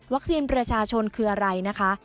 วัคซีนประชาชนคืออะไรนะคะ